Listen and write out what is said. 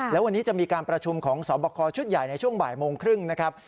แล้ววันนี้จะมีการประชุมของสอบคอชุดใหญ่ในช่วงบ่ายโมงครึ่งนะครับ